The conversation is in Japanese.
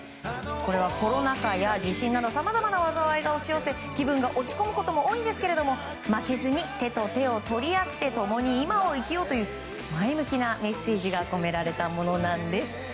これはコロナ禍や地震などさまざまな災いが押し寄せ気分が落ち込むことも多いんですが負けずに手と手を取り合って共に今を生きようという前向きなメッセージが込められたものなんです。